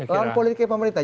lawan politiknya pemerintah